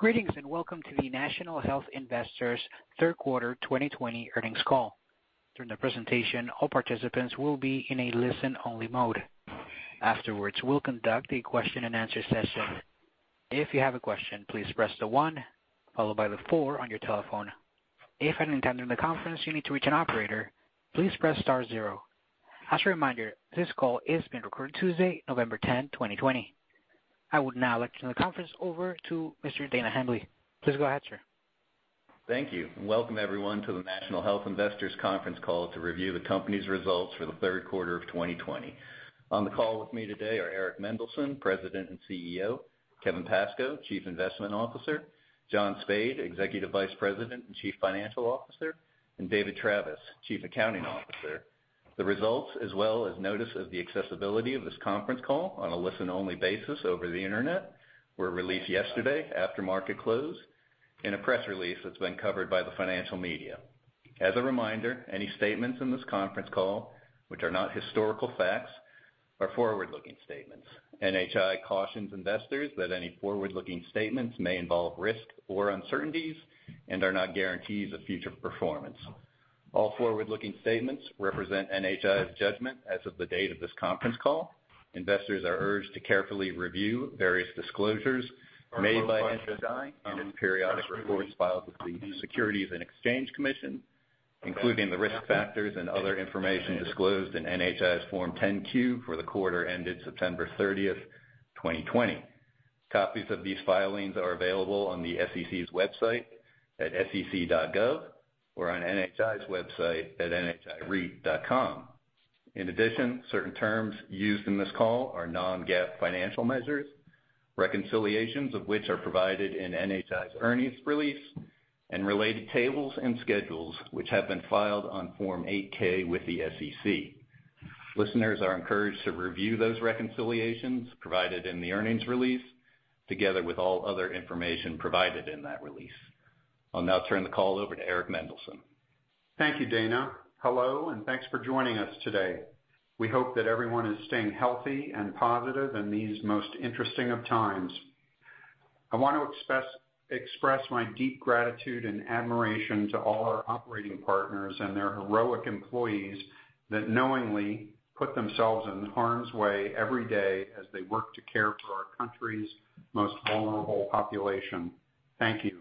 Greetings, and welcome to the National Health Investors third quarter 2020 earnings call. During the presentation, all participants will be in a listen-only mode. Afterwards, we'll conduct a question and answer session. If you have a question, please press the one followed by the four on your telephone. If at any time during the conference you need to reach an operator, please press star zero. As a reminder, this call is being recorded Tuesday, November 10, 2020. I would now like to turn the conference over to Mr. Dana Hambly. Please go ahead, sir. Thank you. Welcome everyone to the National Health Investors conference call to review the company's results for the third quarter of 2020. On the call with me today are Eric Mendelsohn, President and CEO, Kevin Pascoe, Chief Investment Officer, John Spaid, Executive Vice President and Chief Financial Officer, and David Travis, Chief Accounting Officer. The results, as well as notice of the accessibility of this conference call on a listen-only basis over the internet, were released yesterday after market close in a press release that's been covered by the financial media. As a reminder, any statements in this conference call, which are not historical facts, are forward-looking statements. NHI cautions investors that any forward-looking statements may involve risk or uncertainties and are not guarantees of future performance. All forward-looking statements represent NHI's judgment as of the date of this conference call. Investors are urged to carefully review various disclosures made by NHI in its periodic reports filed with the Securities and Exchange Commission, including the risk factors and other information disclosed in NHI's Form 10-Q for the quarter ended September 30, 2020. Copies of these filings are available on the SEC's website at sec.gov or on NHI's website at nhireit.com. In addition, certain terms used in this call are non-GAAP financial measures, reconciliations of which are provided in NHI's earnings release and related tables and schedules, which have been filed on Form 8-K with the SEC. Listeners are encouraged to review those reconciliations provided in the earnings release, together with all other information provided in that release. I'll now turn the call over to Eric Mendelsohn. Thank you, Dana. Hello, and thanks for joining us today. We hope that everyone is staying healthy and positive in these most interesting of times. I want to express my deep gratitude and admiration to all our operating partners and their heroic employees that knowingly put themselves in harm's way every day as they work to care for our country's most vulnerable population. Thank you.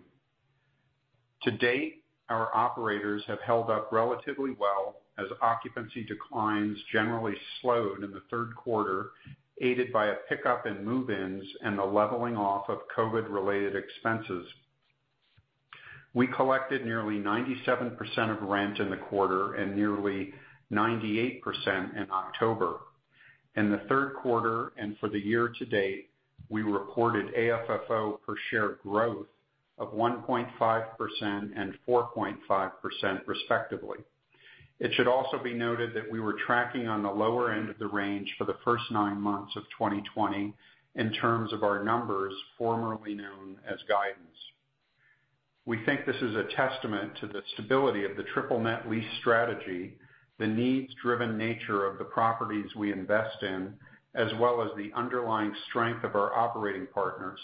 To date, our operators have held up relatively well as occupancy declines generally slowed in the third quarter, aided by a pickup in move-ins and the leveling off of COVID-related expenses. We collected nearly 97% of rent in the quarter and nearly 98% in October. In the third quarter and for the year to date, we reported AFFO per share growth of 1.5% and 4.5% respectively. It should also be noted that we were tracking on the lower end of the range for the first nine months of 2020 in terms of our numbers formerly known as guidance. We think this is a testament to the stability of the triple net lease strategy, the needs-driven nature of the properties we invest in, as well as the underlying strength of our operating partners.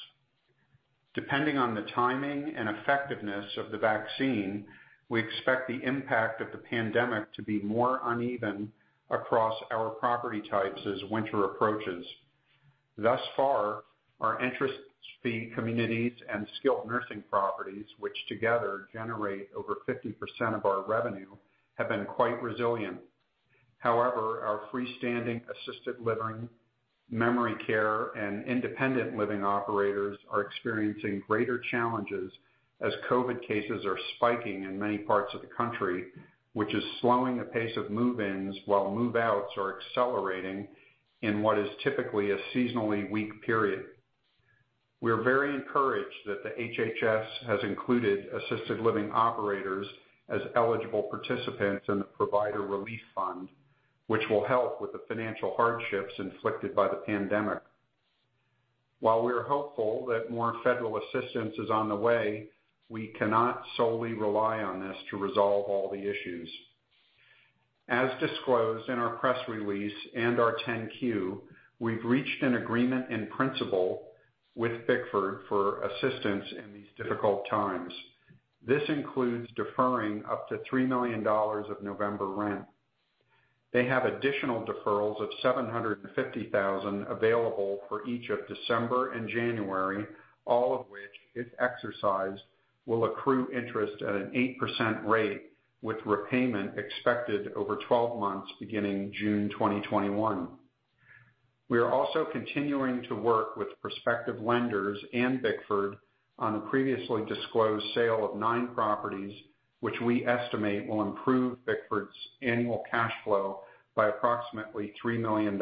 Depending on the timing and effectiveness of the vaccine, we expect the impact of the pandemic to be more uneven across our property types as winter approaches. Thus far, our independent living communities and skilled nursing properties, which together generate over 50% of our revenue, have been quite resilient. However, our freestanding assisted living, memory care, and independent living operators are experiencing greater challenges as COVID cases are spiking in many parts of the country, which is slowing the pace of move-ins while move-outs are accelerating in what is typically a seasonally weak period. We are very encouraged that the HHS has included assisted living operators as eligible participants in the Provider Relief Fund, which will help with the financial hardships inflicted by the pandemic. While we are hopeful that more federal assistance is on the way, we cannot solely rely on this to resolve all the issues. As disclosed in our press release and our 10-Q, we've reached an agreement in principle with Bickford for assistance in these difficult times. This includes deferring up to $3 million of November rent. They have additional deferrals of $750,000 available for each of December and January, all of which, if exercised, will accrue interest at an 8% rate with repayment expected over 12 months beginning June 2021. We are also continuing to work with prospective lenders and Bickford on the previously disclosed sale of nine properties, which we estimate will improve Bickford's annual cash flow by approximately $3 million.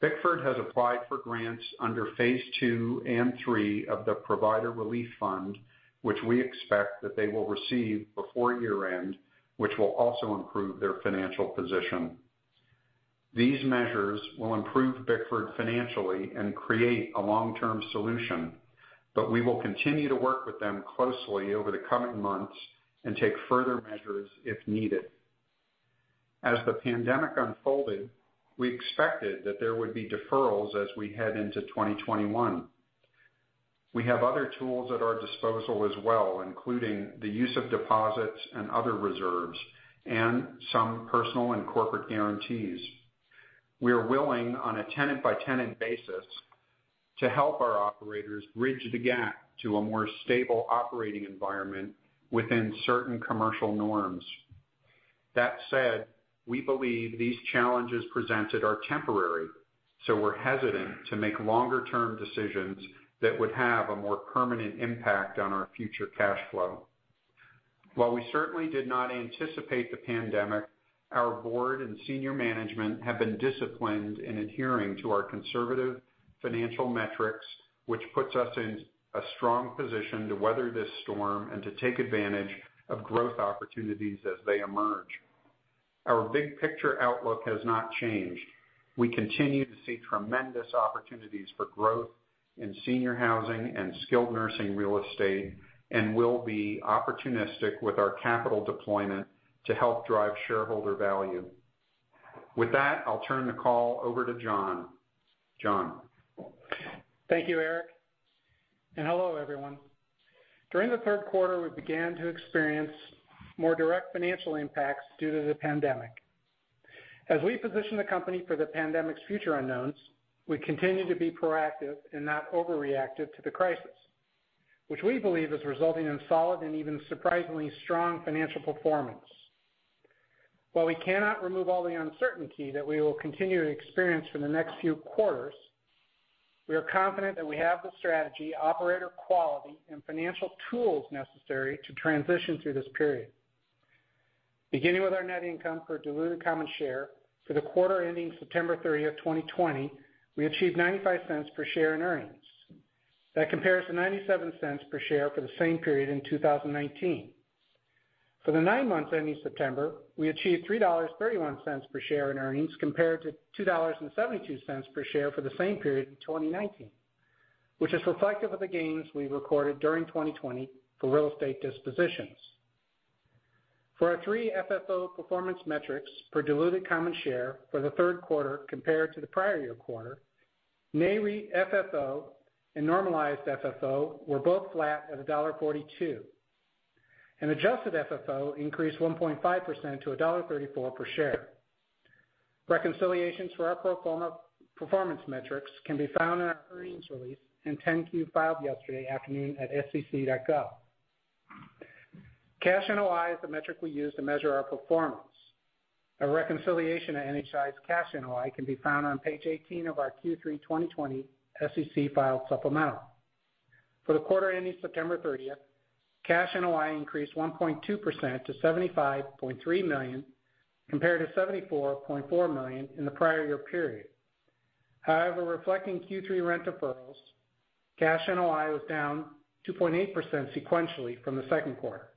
Bickford has applied for grants under Phase 2 and 3 of the Provider Relief Fund, which we expect that they will receive before year-end, which will also improve their financial position. These measures will improve Bickford financially and create a long-term solution, but we will continue to work with them closely over the coming months and take further measures if needed. As the pandemic unfolded, we expected that there would be deferrals as we head into 2021. We have other tools at our disposal as well, including the use of deposits and other reserves and some personal and corporate guarantees. We are willing, on a tenant-by-tenant basis, to help our operators bridge the gap to a more stable operating environment within certain commercial norms. That said, we believe these challenges presented are temporary, so we're hesitant to make longer-term decisions that would have a more permanent impact on our future cash flow. While we certainly did not anticipate the pandemic, our board and senior management have been disciplined in adhering to our conservative financial metrics, which puts us in a strong position to weather this storm and to take advantage of growth opportunities as they emerge. Our big-picture outlook has not changed. We continue to see tremendous opportunities for growth in senior housing and skilled nursing real estate. We'll be opportunistic with our capital deployment to help drive shareholder value. With that, I'll turn the call over to John. John? Thank you, Eric, and hello, everyone. During the third quarter, we began to experience more direct financial impacts due to the pandemic. As we position the company for the pandemic's future unknowns, we continue to be proactive and not overreactive to the crisis, which we believe is resulting in solid and even surprisingly strong financial performance. While we cannot remove all the uncertainty that we will continue to experience for the next few quarters, we are confident that we have the strategy, operator quality, and financial tools necessary to transition through this period. Beginning with our net income for diluted common share for the quarter ending September 30th, 2020, we achieved $0.95 per share in earnings. That compares to $0.97 per share for the same period in 2019. For the nine months ending September, we achieved $3.31 per share in earnings, compared to $2.72 per share for the same period in 2019, which is reflective of the gains we recorded during 2020 for real estate dispositions. For our three FFO performance metrics per diluted common share for the third quarter compared to the prior year quarter, NAREIT FFO and normalized FFO were both flat at $1.42. Adjusted FFO increased 1.5% to $1.34 per share. Reconciliations for our performance metrics can be found in our earnings release and 10-Q filed yesterday afternoon at sec.gov. Cash NOI is the metric we use to measure our performance. A reconciliation of NHI's cash NOI can be found on page 18 of our Q3 2020 SEC file supplemental. For the quarter ending September 30th, cash NOI increased 1.2% to $75.3 million, compared to $74.4 million in the prior year period. Reflecting Q3 rent deferrals, cash NOI was down 2.8% sequentially from the second quarter.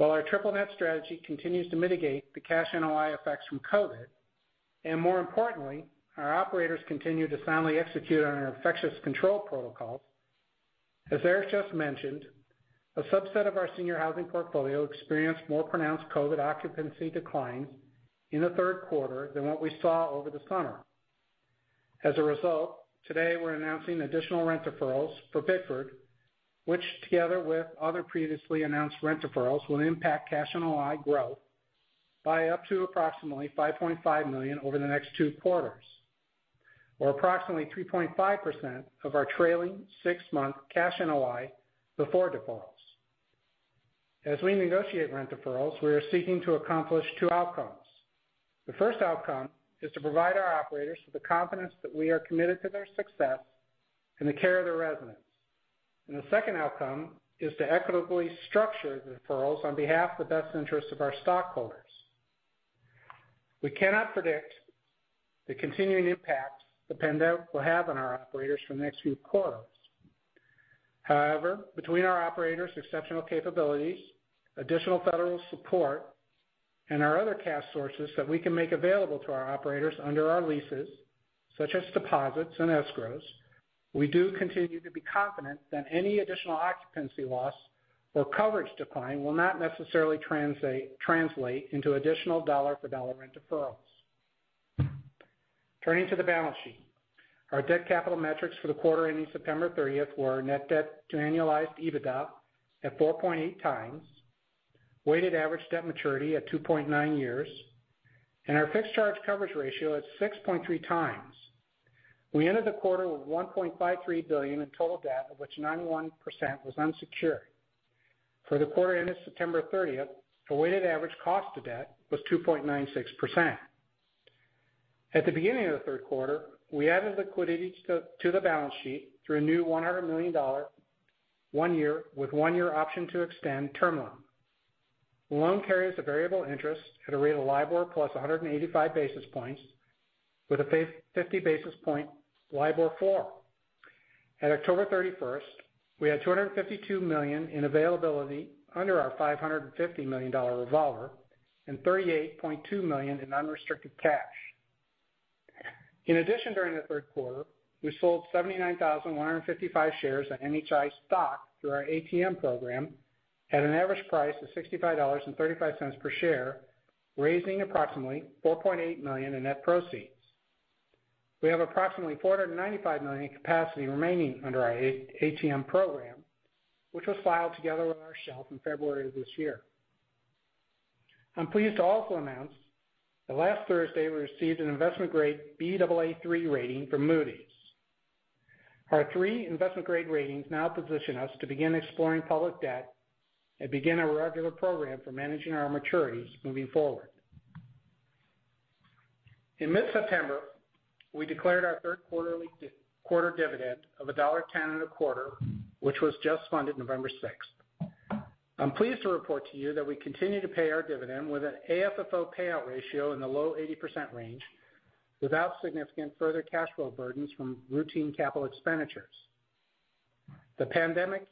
While our triple net strategy continues to mitigate the cash NOI effects from COVID, and more importantly, our operators continue to silently execute on our infectious control protocols, as Eric just mentioned, a subset of our senior housing portfolio experienced more pronounced COVID occupancy declines in the third quarter than what we saw over the summer. As a result, today we're announcing additional rent deferrals for Bickford, which together with other previously announced rent deferrals, will impact cash NOI growth by up to approximately $5.5 million over the next two quarters or approximately 3.5% of our trailing six-month cash NOI before defaults. As we negotiate rent deferrals, we are seeking to accomplish two outcomes. The first outcome is to provide our operators with the confidence that we are committed to their success and the care of their residents. The second outcome is to equitably structure the deferrals on behalf of the best interests of our stockholders. We cannot predict the continuing impact the pandemic will have on our operators for the next few quarters. However, between our operators' exceptional capabilities, additional federal support, and our other cash sources that we can make available to our operators under our leases, such as deposits and escrows, we do continue to be confident that any additional occupancy loss or coverage decline will not necessarily translate into additional dollar-for-dollar rent deferrals. Turning to the balance sheet. Our debt capital metrics for the quarter ending September 30th were net debt to annualized EBITDA at 4.8x, weighted average debt maturity at 2.9 years, and our fixed charge coverage ratio at 6.3x. We ended the quarter with $1.53 billion in total debt, of which 91% was unsecured. For the quarter ending September 30th, our weighted average cost of debt was 2.96%. At the beginning of the third quarter, we added liquidity to the balance sheet through a new $100 million one-year with one-year option to extend term loan. The loan carries a variable interest at a rate of LIBOR plus 185 basis points with a 50 basis point LIBOR floor. At October 31st, we had $252 million in availability under our $550 million revolver and $38.2 million in unrestricted cash. During the third quarter, we sold 79,155 shares of NHI stock through our ATM program at an average price of $65.35 per share, raising approximately $4.8 million in net proceeds. We have approximately $495 million in capacity remaining under our ATM program, which was filed together with our shelf in February of this year. I'm pleased to also announce that last Thursday, we received an investment-grade Baa3 rating from Moody's. Our three investment grade ratings now position us to begin exploring public debt and begin a regular program for managing our maturities moving forward. In mid-September, we declared our third quarter dividend of $1.10 a quarter, which was just funded November 6th. I'm pleased to report to you that we continue to pay our dividend with an AFFO payout ratio in the low 80% range, without significant further cash flow burdens from routine capital expenditures. The pandemic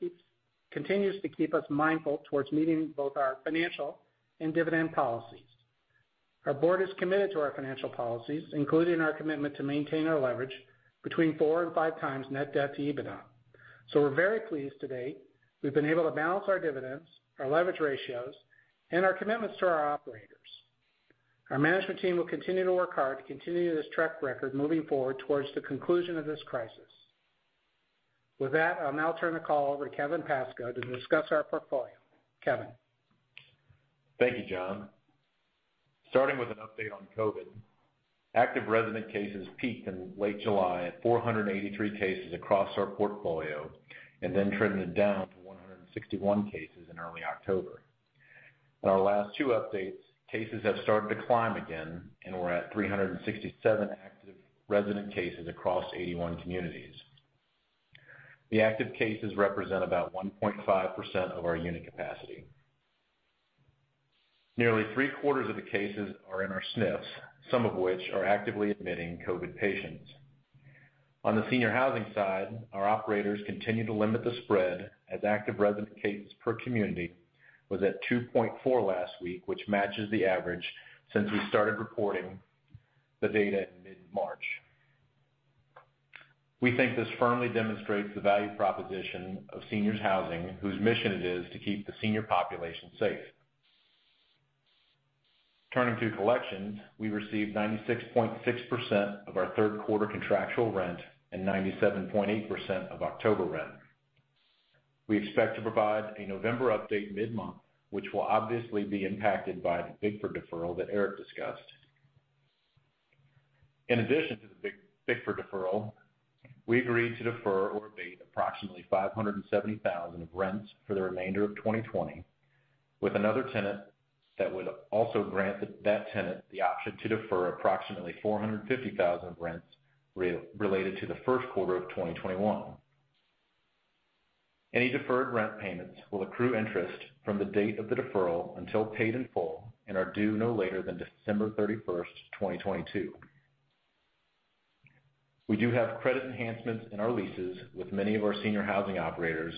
continues to keep us mindful towards meeting both our financial and dividend policies. Our board is committed to our financial policies, including our commitment to maintain our leverage between four and five times net debt to EBITDA. We're very pleased to date, we've been able to balance our dividends, our leverage ratios, and our commitments to our operators. Our management team will continue to work hard to continue this track record moving forward towards the conclusion of this crisis. With that, I'll now turn the call over to Kevin Pascoe to discuss our portfolio. Kevin? Thank you, John. With an update on COVID. Active resident cases peaked in late July at 483 cases across our portfolio, and then trended down to 161 cases in early October. In our last two updates, cases have started to climb again, and we're at 367 active resident cases across 81 communities. The active cases represent about 1.5% of our unit capacity. Nearly three-quarters of the cases are in our SNFs, some of which are actively admitting COVID patients. On the senior housing side, our operators continue to limit the spread, as active resident cases per community was at 2.4 last week, which matches the average since we started reporting the data in mid-March. We think this firmly demonstrates the value proposition of seniors housing, whose mission it is to keep the senior population safe. Turning to collections, we received 96.6% of our third quarter contractual rent and 97.8% of October rent. We expect to provide a November update mid-month, which will obviously be impacted by the Bickford deferral that Eric discussed. In addition to the Bickford deferral, we agreed to defer or abate approximately $570,000 of rents for the remainder of 2020 with another tenant that would also grant that tenant the option to defer approximately $450,000 of rents related to the first quarter of 2021. Any deferred rent payments will accrue interest from the date of the deferral until paid in full and are due no later than December 31st, 2022. We do have credit enhancements in our leases with many of our senior housing operators,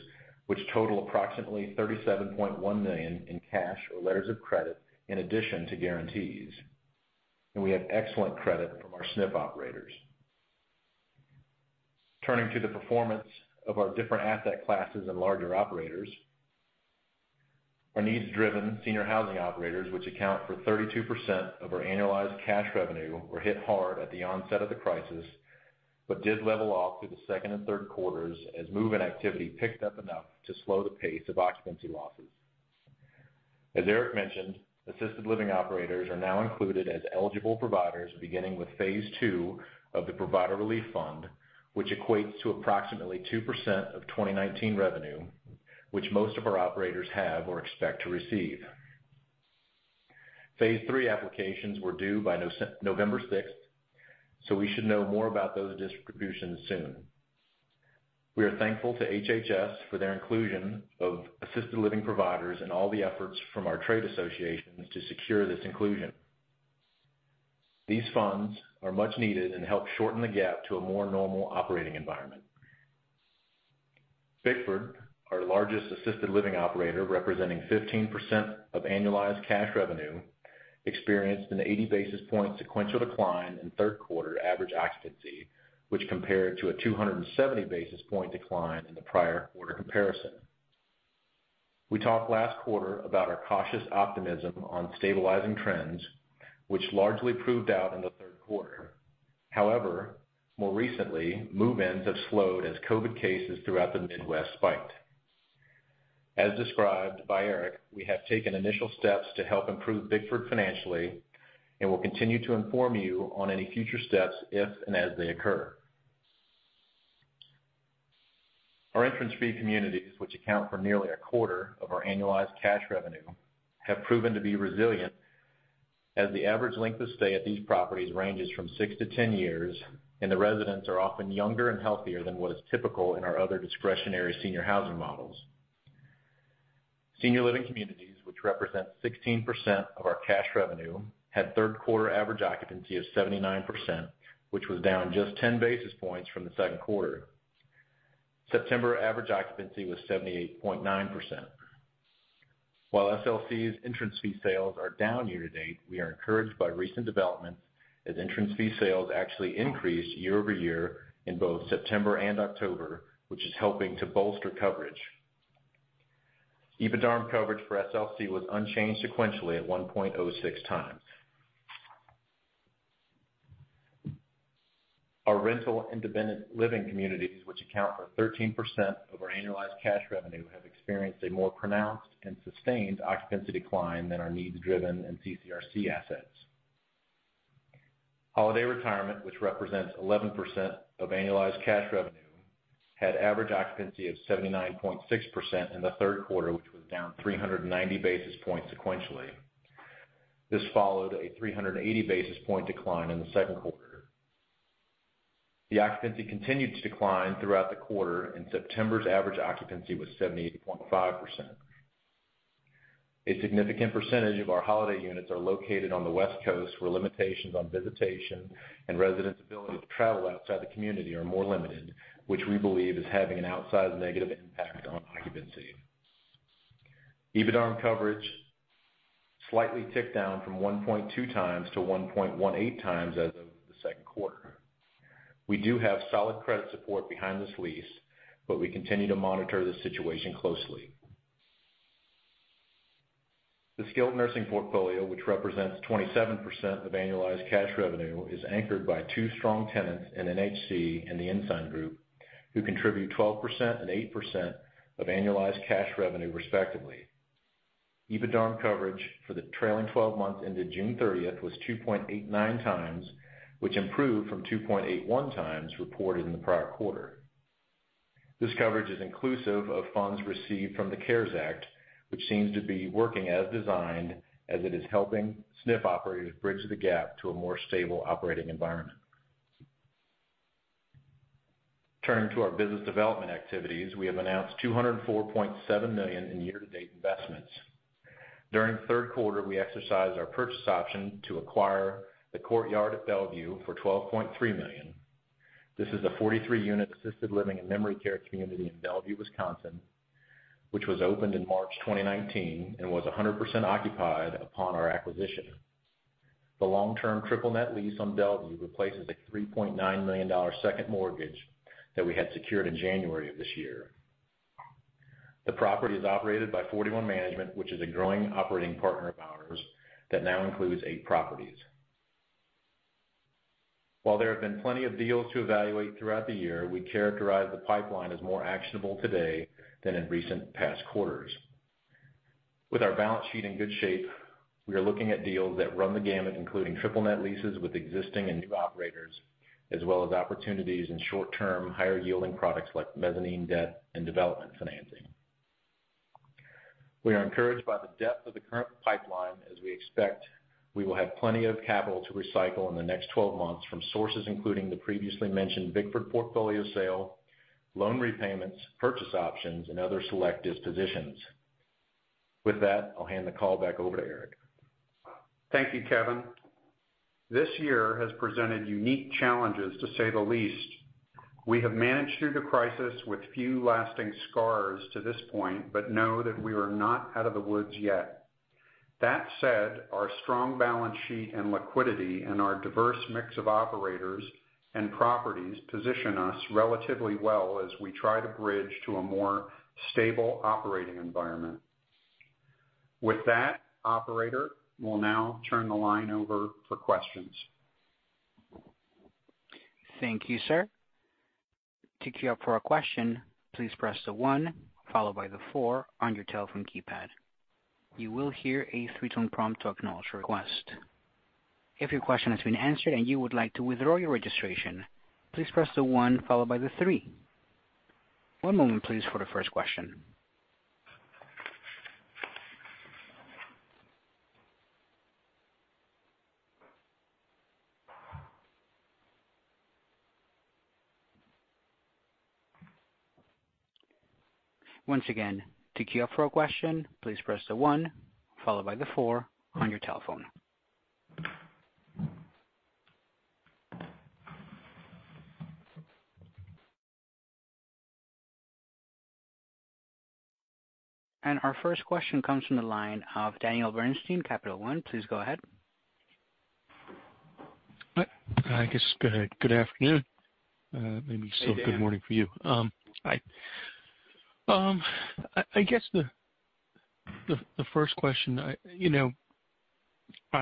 which total approximately $37.1 million in cash or letters of credit in addition to guarantees. We have excellent credit from our SNF operators. Turning to the performance of our different asset classes and larger operators. Our needs-driven senior housing operators, which account for 32% of our annualized cash revenue, were hit hard at the onset of the crisis. Did level off through the second and third quarters as move-in activity picked up enough to slow the pace of occupancy losses. As Eric mentioned, assisted living operators are now included as eligible providers beginning with Phase 2 of the Provider Relief Fund, which equates to approximately 2% of 2019 revenue, which most of our operators have or expect to receive. Phase 3 applications were due by November 6th. We should know more about those distributions soon. We are thankful to HHS for their inclusion of assisted living providers and all the efforts from our trade associations to secure this inclusion. These funds are much needed and help shorten the gap to a more normal operating environment. Bickford, our largest assisted living operator, representing 15% of annualized cash revenue, experienced an 80-basis point sequential decline in third quarter average occupancy, which compared to a 270-basis point decline in the prior quarter comparison. We talked last quarter about our cautious optimism on stabilizing trends, which largely proved out in the third quarter. More recently, move-ins have slowed as COVID cases throughout the Midwest spiked. As described by Eric, we have taken initial steps to help improve Bickford financially, and we'll continue to inform you on any future steps if and as they occur. Our entrance fee communities, which account for nearly a quarter of our annualized cash revenue, have proven to be resilient, as the average length of stay at these properties ranges from 6-10 years, and the residents are often younger and healthier than what is typical in our other discretionary senior housing models. Senior Living Communities, which represent 16% of our cash revenue, had third quarter average occupancy of 79%, which was down just 10 basis points from the second quarter. September average occupancy was 78.9%. While SLC's entrance fee sales are down year-to-date, we are encouraged by recent developments as entrance fee sales actually increased year-over-year in both September and October, which is helping to bolster coverage. EBITDARM coverage for SLC was unchanged sequentially at 1.06x. Our rental independent living communities, which account for 13% of our annualized cash revenue, have experienced a more pronounced and sustained occupancy decline than our needs-driven and CCRC assets. Holiday Retirement, which represents 11% of annualized cash revenue, had average occupancy of 79.6% in the third quarter, which was down 390 basis points sequentially. This followed a 380 basis point decline in the second quarter. The occupancy continued to decline throughout the quarter, and September's average occupancy was 78.5%. A significant percentage of our Holiday units are located on the West Coast, where limitations on visitation and residents' ability to travel outside the community are more limited, which we believe is having an outsized negative impact on occupancy. EBITDARM coverage slightly ticked down from 1.2x to 1.18x as of the second quarter. We do have solid credit support behind this lease, but we continue to monitor the situation closely. The skilled nursing portfolio, which represents 27% of annualized cash revenue, is anchored by two strong tenants in NHC and The Ensign Group, who contribute 12% and 8% of annualized cash revenue respectively. EBITDARM coverage for the trailing 12 months into June 30th was 2.89x, which improved from 2.81x reported in the prior quarter. This coverage is inclusive of funds received from the CARES Act, which seems to be working as designed as it is helping SNF operators bridge the gap to a more stable operating environment. Turning to our business development activities, we have announced $204.7 million in year-to-date investments. During the third quarter, we exercised our purchase option to acquire The Courtyard at Bellevue for $12.3 million. This is a 43-unit assisted living and memory care community in Bellevue, Wisconsin, which was opened in March 2019 and was 100% occupied upon our acquisition. The long-term triple net lease on Bellevue replaces a $3.9 million second mortgage that we had secured in January of this year. The property is operated by 41 Management, which is a growing operating partner of ours that now includes eight properties. While there have been plenty of deals to evaluate throughout the year, we characterize the pipeline as more actionable today than in recent past quarters. With our balance sheet in good shape, we are looking at deals that run the gamut, including triple net leases with existing and new operators, as well as opportunities in short-term, higher-yielding products like mezzanine debt and development financing. We are encouraged by the depth of the current pipeline as we expect we will have plenty of capital to recycle in the next 12 months from sources including the previously mentioned Bickford portfolio sale, loan repayments, purchase options, and other select dispositions. With that, I'll hand the call back over to Eric. Thank you, Kevin. This year has presented unique challenges, to say the least. We have managed through the crisis with few lasting scars to this point, but know that we are not out of the woods yet. That said, our strong balance sheet and liquidity and our diverse mix of operators and properties position us relatively well as we try to bridge to a more stable operating environment. With that, operator, we'll now turn the line over for questions. Thank you, sir. Our first question comes from the line of Daniel Bernstein, Capital One. Please go ahead. I guess, good afternoon. Hey, Dan. Good morning for you. Hi. I guess the first question I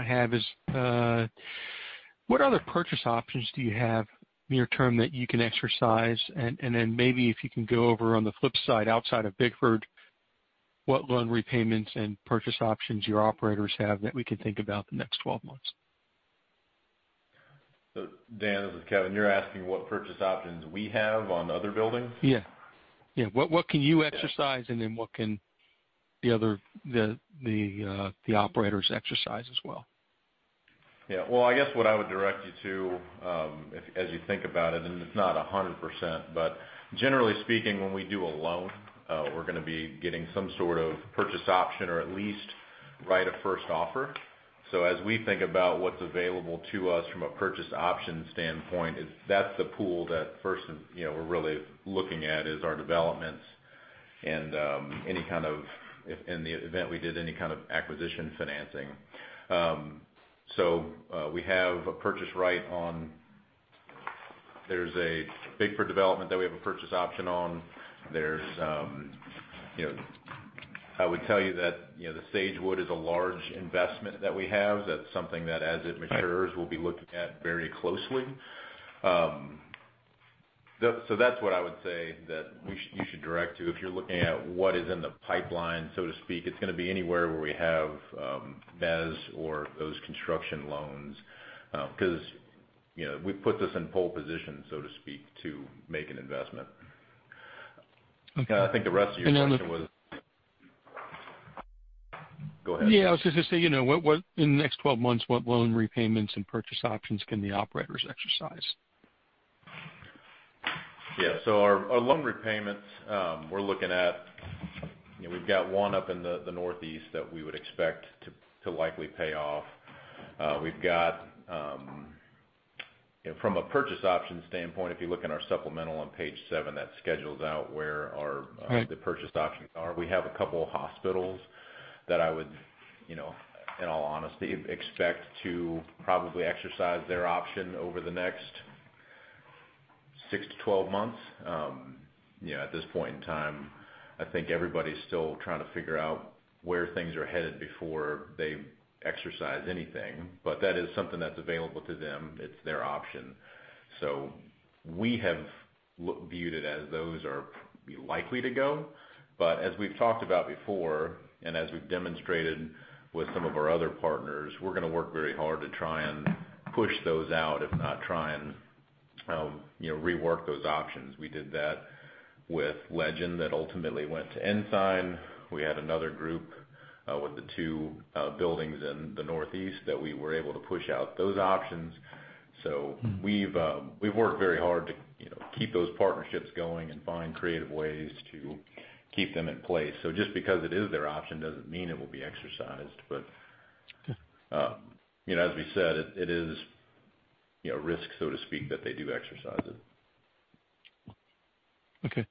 have is, what other purchase options do you have near term that you can exercise? Maybe if you can go over on the flip side, outside of Bickford, what loan repayments and purchase options your operators have that we can think about the next 12 months? Dan, this is Kevin. You're asking what purchase options we have on other buildings? Yeah. What can you exercise and then what can the other operators exercise as well? Well, I guess what I would direct you to as you think about it, and it's not 100%, but generally speaking, when we do a loan, we're going to be getting some sort of purchase option or at least a right of first offer. As we think about what's available to us from a purchase option standpoint, that's the pool that first, we're really looking at is our developments and in the event we did any kind of acquisition financing. We have a purchase right. There's a big development that we have a purchase option on. I would tell you that, the Sagewood is a large investment that we have. That's something that, as it matures, we'll be looking at very closely. That's what I would say that you should direct to if you're looking at what is in the pipeline, so to speak. It's going to be anywhere where we have MEZ or those construction loans. We put this in pole position, so to speak, to make an investment. Okay. I think the rest of your question was. Go ahead. Yeah. I was just going to say, in the next 12 months, what loan repayments and purchase options can the operators exercise? Yeah. Our loan repayments, we're looking at, we've got one up in the Northeast that we would expect to likely pay off. From a purchase option standpoint, if you look in our supplemental on page seven, that schedules out where our- Right. The purchase options are. We have a couple of hospitals that I would, in all honesty, expect to probably exercise their option over the next 6-12 months. At this point in time, I think everybody's still trying to figure out where things are headed before they exercise anything. That is something that's available to them. It's their option. We have viewed it as those are likely to go. As we've talked about before, and as we've demonstrated with some of our other partners, we're going to work very hard to try and push those out, if not try and rework those options. We did that with Legend, that ultimately went to Ensign. We had another group, with the two buildings in the Northeast that we were able to push out those options. We've worked very hard to keep those partnerships going and find creative ways to keep them in place. Just because it is their option doesn't mean it will be exercised. Okay. As we said, it is risk, so to speak, that they do exercise it. Okay.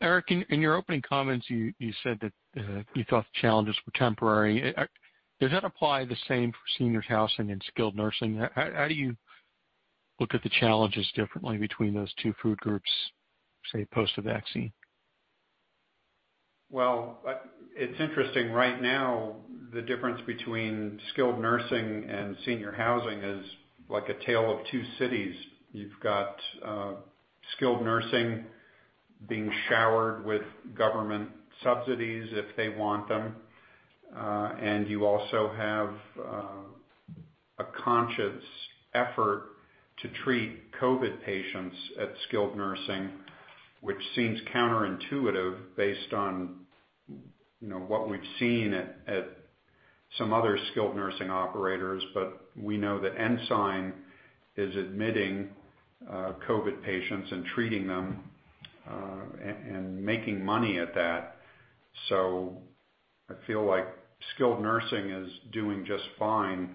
Eric, in your opening comments, you said that you thought the challenges were temporary. Does that apply the same for senior housing and skilled nursing? How do you look at the challenges differently between those two food groups, say, post the vaccine? Well, it's interesting right now, the difference between skilled nursing and senior housing is like a tale of two cities. You've got skilled nursing being showered with government subsidies if they want them. You also have a conscious effort to treat COVID patients at skilled nursing, which seems counterintuitive based on what we've seen at some other skilled nursing operators. We know that Ensign is admitting COVID patients and treating them, and making money at that. I feel like skilled nursing is doing just fine.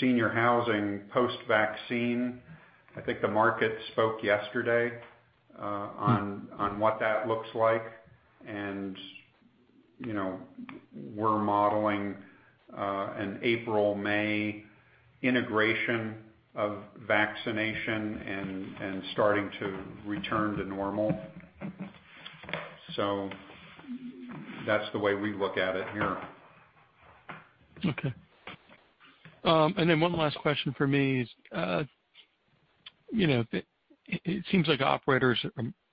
Senior housing, post-vaccine, I think the market spoke yesterday on what that looks like. We're modeling an April, May integration of vaccination and starting to return to normal. That's the way we look at it here. Okay. One last question from me is, it seems like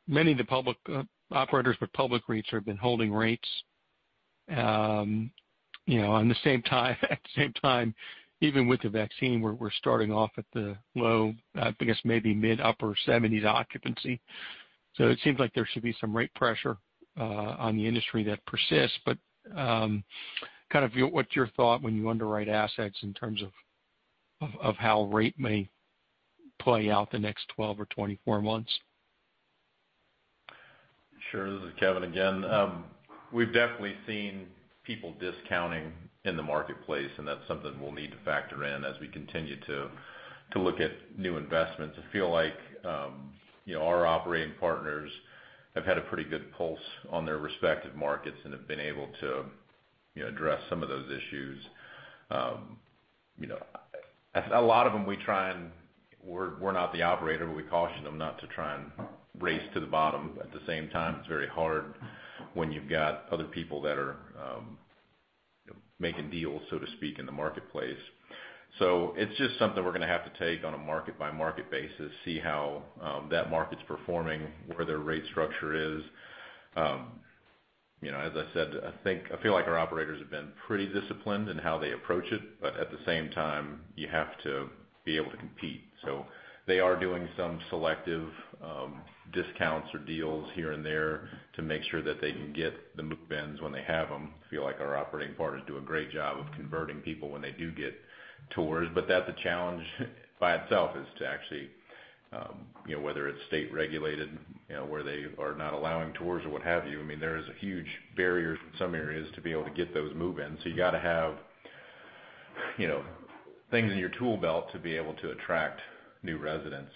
many of the operators with public rates have been holding rates. At the same time, even with the vaccine, we're starting off at the low, I guess maybe mid upper 70s occupancy. It seems like there should be some rate pressure on the industry that persists. What's your thought when you underwrite assets in terms of how rate may play out the next 12 or 24 months? Sure. This is Kevin again. We've definitely seen people discounting in the marketplace, and that's something we'll need to factor in as we continue to look at new investments. I feel like our operating partners have had a pretty good pulse on their respective markets and have been able to address some of those issues. A lot of them, we're not the operator, but we caution them not to try and race to the bottom. At the same time, it's very hard when you've got other people that are making deals, so to speak, in the marketplace. It's just something we're going to have to take on a market-by-market basis, see how that market's performing, where their rate structure is. As I said, I feel like our operators have been pretty disciplined in how they approach it. At the same time, you have to be able to compete. They are doing some selective discounts or deals here and there to make sure that they can get the move-ins when they have them. I feel like our operating partners do a great job of converting people when they do get tours. That's a challenge by itself, is to actually, whether it's state regulated, where they are not allowing tours or what have you, there is a huge barrier in some areas to be able to get those move-ins. You got to have things in your tool belt to be able to attract new residents.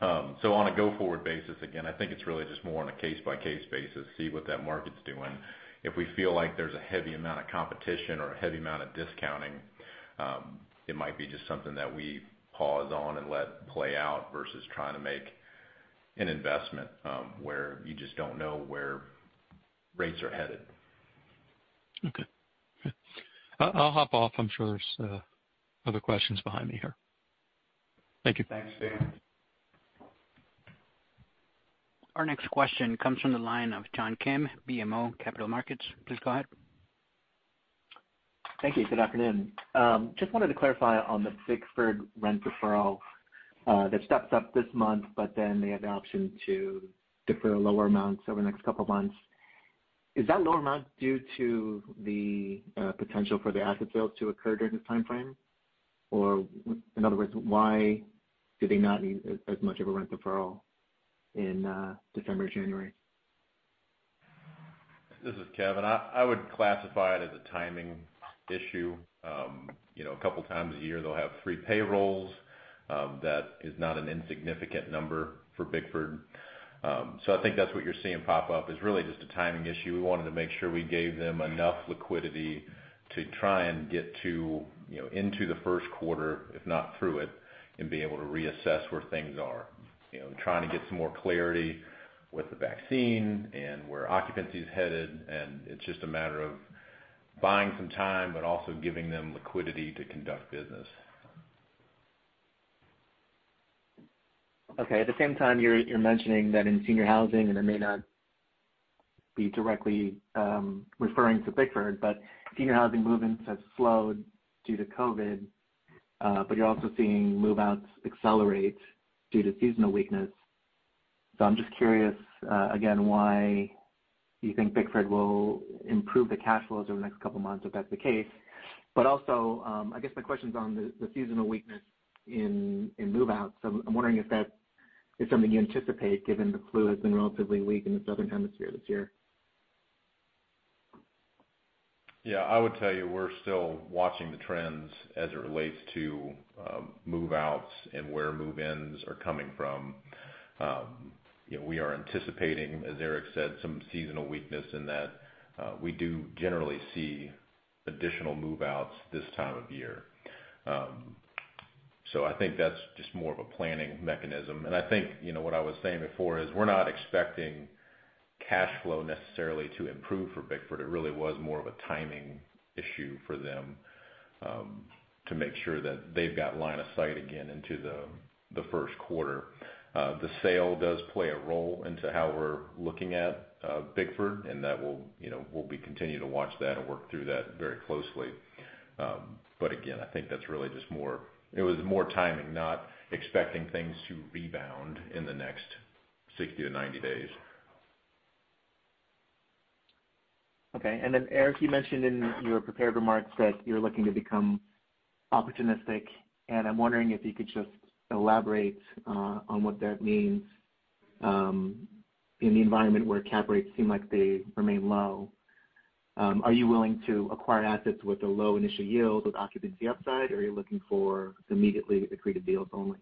On a go-forward basis, again, I think it's really just more on a case-by-case basis, see what that market's doing. If we feel like there's a heavy amount of competition or a heavy amount of discounting, it might be just something that we pause on and let play out versus trying to make an investment, where you just don't know where rates are headed. Okay. I'll hop off. I'm sure there's other questions behind me here. Thank you. Thanks, Dan. Our next question comes from the line of John Kim, BMO Capital Markets. Please go ahead. Thank you. Good afternoon. Just wanted to clarify on the Bickford rent deferral, that steps up this month, they have the option to defer lower amounts over the next couple of months. Is that lower amount due to the potential for the asset sales to occur during this timeframe? In other words, why do they not need as much of a rent deferral in December, January? This is Kevin. I would classify it as a timing issue. A couple of times a year, they'll have three payrolls. That is not an insignificant number for Bickford. I think that's what you're seeing pop up, is really just a timing issue. We wanted to make sure we gave them enough liquidity to try and get into the first quarter, if not through it, and be able to reassess where things are. Trying to get some more clarity with the vaccine and where occupancy is headed, and it's just a matter of buying some time, but also giving them liquidity to conduct business. Okay. At the same time, you're mentioning that in senior housing, and it may not be directly referring to Bickford, but senior housing move-ins have slowed due to COVID. You're also seeing move-outs accelerate due to seasonal weakness. I'm just curious, again, why you think Bickford will improve the cash flows over the next couple of months if that's the case. Also, I guess my question's on the seasonal weakness in move-outs. I'm wondering if that is something you anticipate given the flu has been relatively weak in the Southern hemisphere this year. Yeah, I would tell you, we're still watching the trends as it relates to move-outs and where move-ins are coming from. We are anticipating, as Eric said, some seasonal weakness in that we do generally see additional move-outs this time of year. I think that's just more of a planning mechanism. I think what I was saying before is we're not expecting cash flow necessarily to improve for Bickford. It really was more of a timing issue for them, to make sure that they've got line of sight again into the first quarter. The sale does play a role into how we're looking at Bickford, and that we'll be continuing to watch that and work through that very closely. Again, I think it was more timing, not expecting things to rebound in the next 60-90 days. Okay. Eric, you mentioned in your prepared remarks that you're looking to become opportunistic, and I'm wondering if you could just elaborate on what that means, in the environment where cap rates seem like they remain low. Are you willing to acquire assets with a low initial yield with occupancy upside, or are you looking for immediately accretive deals only?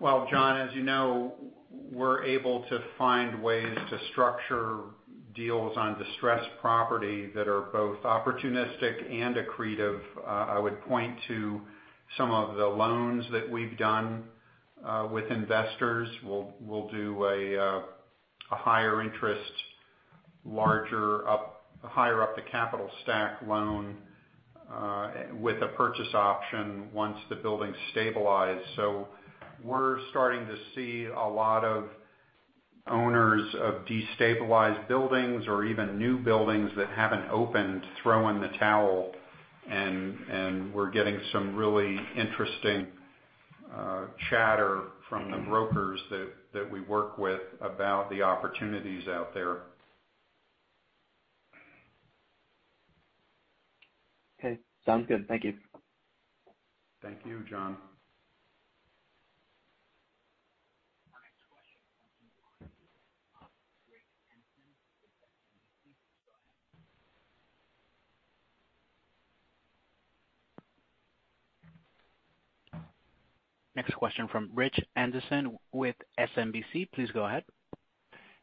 Well, John, as you know, we're able to find ways to structure deals on distressed property that are both opportunistic and accretive. I would point to some of the loans that we've done with investors. We'll do a higher interest, higher up the capital stack loan, with a purchase option once the building's stabilized. We're starting to see a lot of owners of destabilized buildings or even new buildings that haven't opened throw in the towel, and we're getting some really interesting chatter from the brokers that we work with about the opportunities out there. Okay. Sounds good. Thank you. Thank you, John. Next question from Rich Anderson with SMBC. Please go ahead.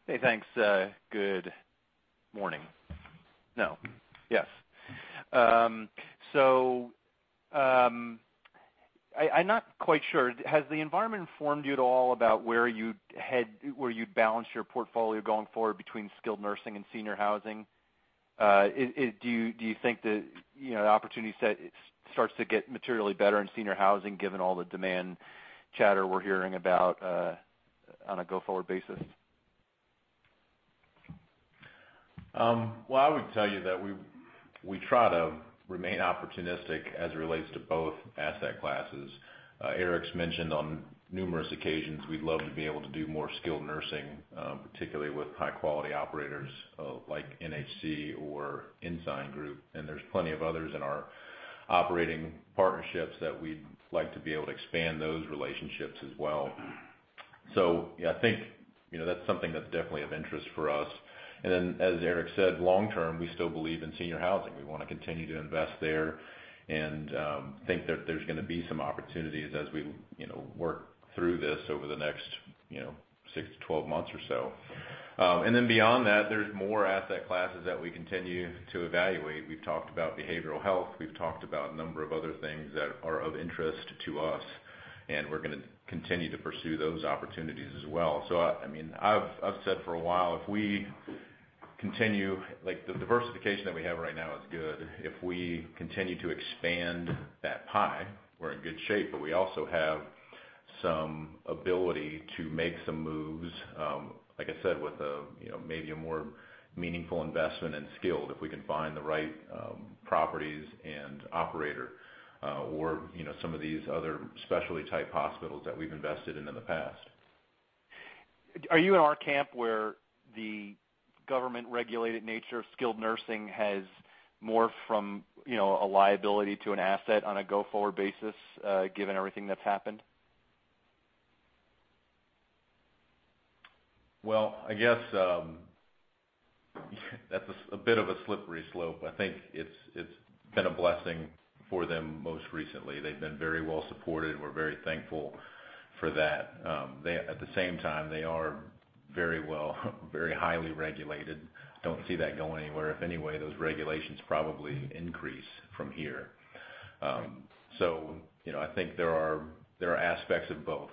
Hey, thanks. Good morning. No. Yes. I'm not quite sure. Has the environment informed you at all about where you'd balance your portfolio going forward between skilled nursing and senior housing? Do you think the opportunity set starts to get materially better in senior housing given all the demand chatter we're hearing about on a go-forward basis? Well, I would tell you that we try to remain opportunistic as it relates to both asset classes. Eric's mentioned on numerous occasions, we'd love to be able to do more skilled nursing, particularly with high-quality operators like NHC or Ensign Group, and there's plenty of others in our operating partnerships that we'd like to be able to expand those relationships as well. Yeah, I think that's something that's definitely of interest for us. As Eric said, long-term, we still believe in senior housing. We want to continue to invest there and think that there's going to be some opportunities as we work through this over the next six to 12 months or so. Beyond that, there's more asset classes that we continue to evaluate. We've talked about behavioral health. We've talked about a number of other things that are of interest to us, and we're going to continue to pursue those opportunities as well. I've said for a while, the diversification that we have right now is good. If we continue to expand that pie, we're in good shape, but we also have some ability to make some moves, like I said, with maybe a more meaningful investment in skilled, if we can find the right properties and operator, or some of these other specialty-type hospitals that we've invested in in the past. Are you in our camp where the government-regulated nature of skilled nursing has morphed from a liability to an asset on a go-forward basis, given everything that's happened? I guess, that's a bit of a slippery slope. I think it's been a blessing for them most recently. They've been very well supported. We're very thankful for that. At the same time, they are very highly regulated. Don't see that going anywhere. If any way, those regulations probably increase from here. I think there are aspects of both.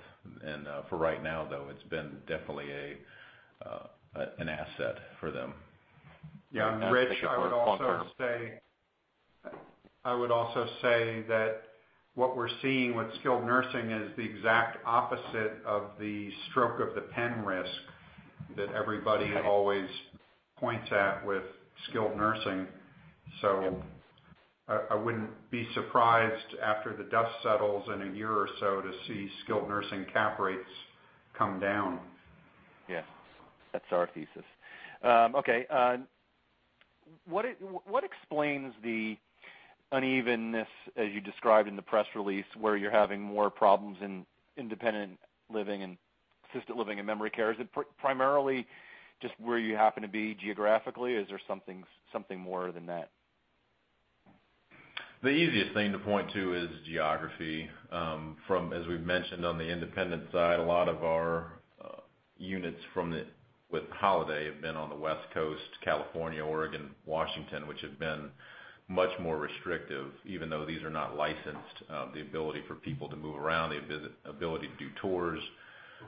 For right now, though, it's been definitely an asset for them. Yeah, Rich, I would also say that what we're seeing with skilled nursing is the exact opposite of the stroke-of-the-pen risk that everybody always points at with skilled nursing. I wouldn't be surprised after the dust settles in a year or so to see skilled nursing cap rates come down. Yes. That's our thesis. Okay. What explains the unevenness as you described in the press release, where you're having more problems in independent living and assisted living and memory care? Is it primarily just where you happen to be geographically? Is there something more than that? The easiest thing to point to is geography. From, as we've mentioned on the independent side, a lot of our units with Holiday Retirement have been on the West Coast, California, Oregon, Washington, which have been much more restrictive, even though these are not licensed. The ability for people to move around, the ability to do tours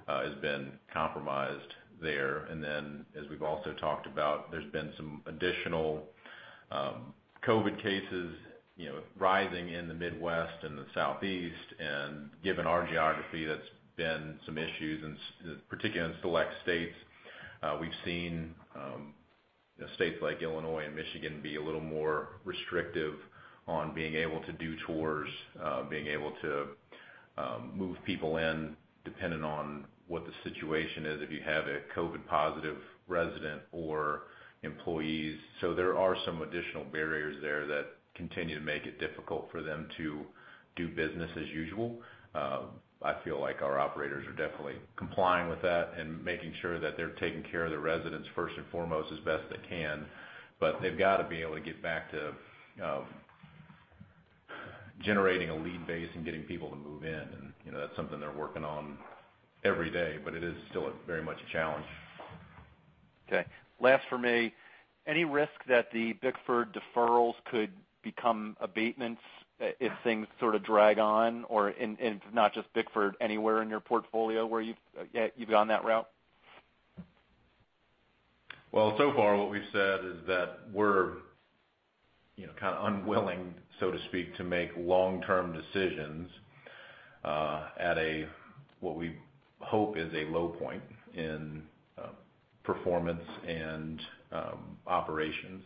has been compromised there. As we've also talked about, there's been some additional COVID cases rising in the Midwest and the Southeast. Given our geography, that's been some issues, particularly in select states. We've seen states like Illinois and Michigan be a little more restrictive on being able to do tours, being able to move people in depending on what the situation is, if you have a COVID-positive resident or employees. There are some additional barriers there that continue to make it difficult for them to do business as usual. I feel like our operators are definitely complying with that and making sure that they're taking care of the residents first and foremost as best they can. They've got to be able to get back to generating a lead base and getting people to move in, and that's something they're working on every day, but it is still very much a challenge. Okay. Last from me, any risk that the Bickford deferrals could become abatements if things sort of drag on, or if not just Bickford, anywhere in your portfolio where you've gone that route? Well, so far what we've said is that we're kind of unwilling, so to speak, to make long-term decisions at what we hope is a low point in performance and operations.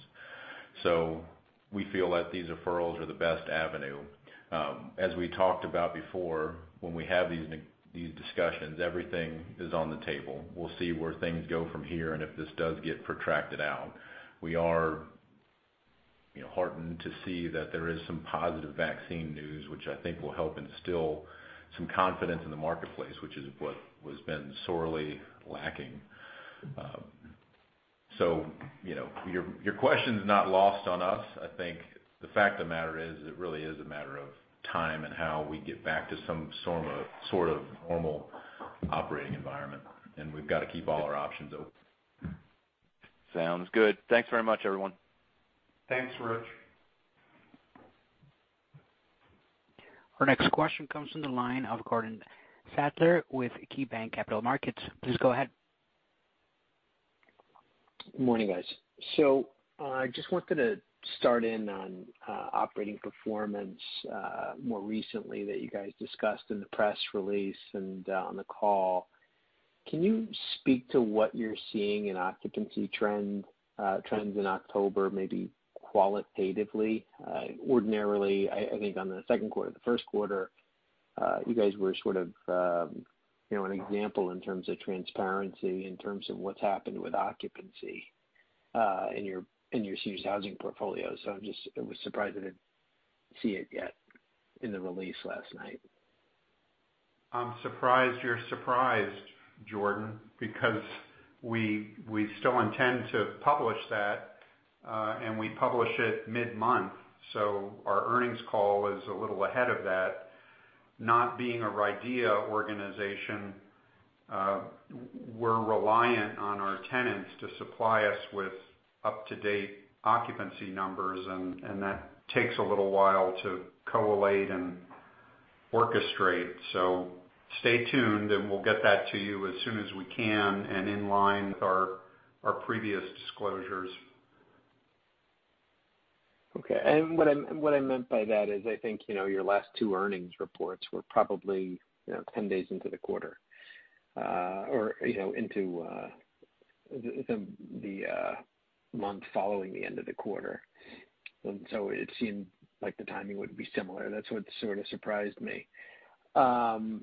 We feel that these deferrals are the best avenue. As we talked about before, when we have these discussions, everything is on the table. We'll see where things go from here. If this does get protracted out, we are heartened to see that there is some positive vaccine news, which I think will help instill some confidence in the marketplace, which is what has been sorely lacking. Your question's not lost on us. I think the fact of the matter is, it really is a matter of time and how we get back to some sort of normal operating environment, and we've got to keep all our options open. Sounds good. Thanks very much, everyone. Thanks, Rich. Our next question comes from the line of Jordan Sadler with KeyBanc Capital Markets. Please go ahead. Morning, guys. I just wanted to start in on operating performance more recently that you guys discussed in the press release and on the call. Can you speak to what you're seeing in occupancy trends in October, maybe qualitatively? Ordinarily, I think on the second quarter, the first quarter, you guys were sort of an example in terms of transparency, in terms of what's happened with occupancy in your senior housing portfolio. I was surprised that see it yet in the release last night. I'm surprised you're surprised, Jordan. We still intend to publish that. We publish it mid-month. Our earnings call is a little ahead of that. Not being a RIDEA organization, we're reliant on our tenants to supply us with up-to-date occupancy numbers. That takes a little while to collate and orchestrate. Stay tuned. We'll get that to you as soon as we can and in line with our previous disclosures. Okay. What I meant by that is I think your last two earnings reports were probably 10 days into the quarter, or into the month following the end of the quarter. It seemed like the timing would be similar. That's what sort of surprised me. Jordan,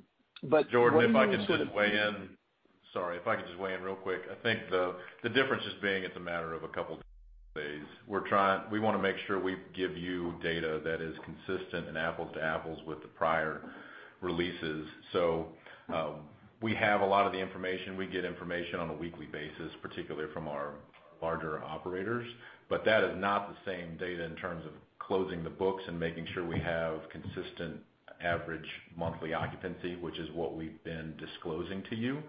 if I could just weigh in. Sorry, if I could just weigh in real quick. I think the difference is being it's a matter of a couple days. We want to make sure we give you data that is consistent and apples to apples with the prior releases. We have a lot of the information. We get information on a weekly basis, particularly from our larger operators. That is not the same data in terms of closing the books and making sure we have consistent average monthly occupancy, which is what we've been disclosing to you.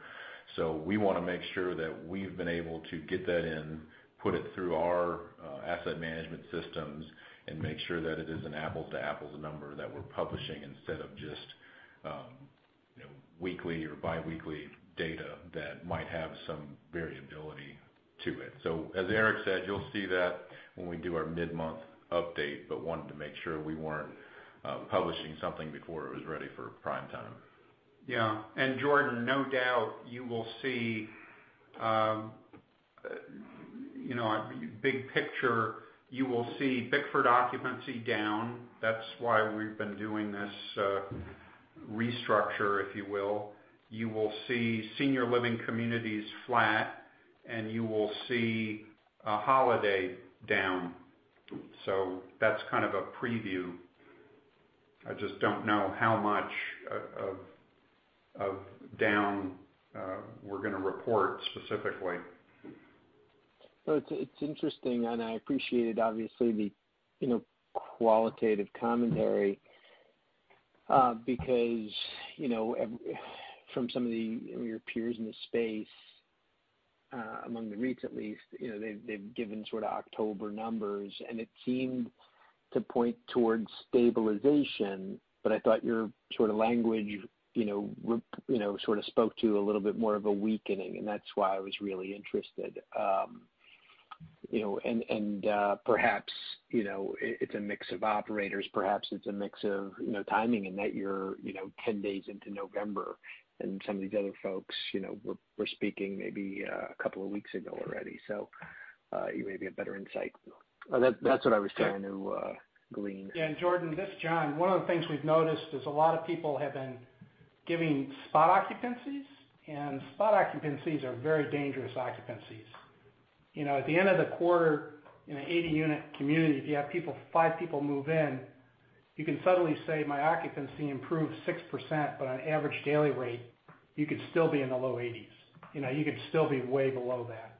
We want to make sure that we've been able to get that in, put it through our asset management systems, and make sure that it is an apples-to-apples number that we're publishing instead of just weekly or biweekly data that might have some variability to it. As Eric said, you'll see that when we do our mid-month update, but wanted to make sure we weren't publishing something before it was ready for prime time. Yeah. Jordan, no doubt, you will see big picture, you will see Bickford occupancy down. That's why we've been doing this restructure, if you will. You will see Senior Living Communities flat, and you will see Holiday down. That's kind of a preview. I just don't know how much of down we're going to report specifically. It's interesting, and I appreciated obviously the qualitative commentary. From some of your peers in the space, among the REITs at least, they've given sort of October numbers, and it seemed to point towards stabilization. I thought your sort of language sort of spoke to a little bit more of a weakening, and that's why I was really interested. Perhaps it's a mix of operators, perhaps it's a mix of timing in that you're 10 days into November and some of these other folks were speaking maybe a couple of weeks ago already. You may be a better insight. That's what I was trying to glean. Yeah, Jordan, this is John. One of the things we've noticed is a lot of people have been giving spot occupancies, spot occupancies are very dangerous occupancies. At the end of the quarter, in an 80-unit community, if you have five people move in, you can suddenly say, "My occupancy improved 6%." On average daily rate, you could still be in the low 80s. You could still be way below that.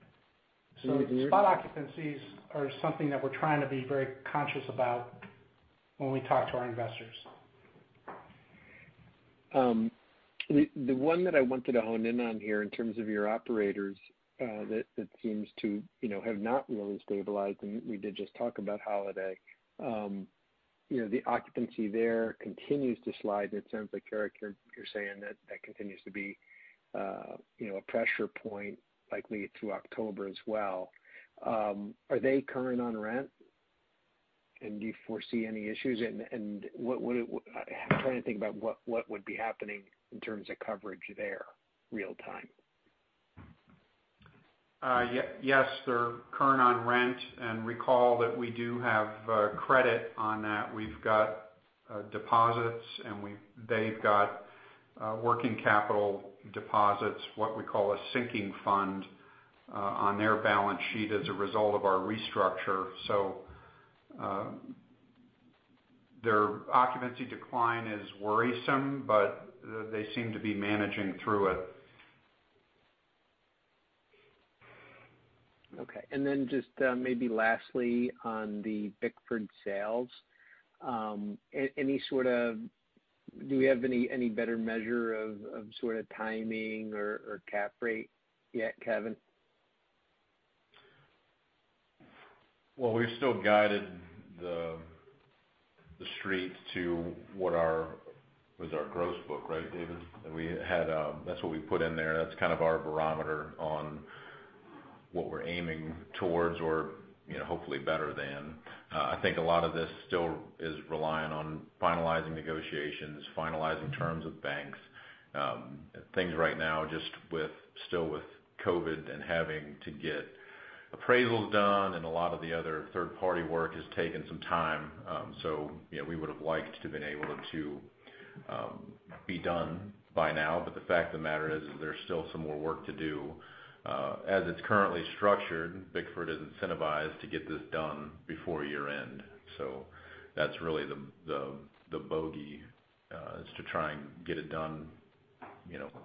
Spot occupancies are something that we're trying to be very conscious about when we talk to our investors. The one that I wanted to hone in on here in terms of your operators that seems to have not really stabilized, and we did just talk about Holiday. The occupancy there continues to slide, and it sounds like, Eric, you're saying that that continues to be a pressure point likely through October as well. Are they current on rent? Do you foresee any issues? I'm trying to think about what would be happening in terms of coverage there real time. Yes, they're current on rent. Recall that we do have credit on that. We've got deposits, and they've got working capital deposits, what we call a sinking fund, on their balance sheet as a result of our restructure. Their occupancy decline is worrisome, but they seem to be managing through it. Okay, just maybe lastly on the Bickford sales, do you have any better measure of sort of timing or cap rate yet, Kevin? Well, we've still guided the Street to what was our gross book, right, David? That's what we put in there. That's kind of our barometer on what we're aiming towards or hopefully better than. I think a lot of this still is reliant on finalizing negotiations, finalizing terms with banks. Things right now just still with COVID and having to get appraisals done and a lot of the other third-party work has taken some time. We would've liked to have been able to be done by now, but the fact of the matter is, there's still some more work to do. As it's currently structured, Bickford is incentivized to get this done before year-end. That's really the bogey, is to try and get it done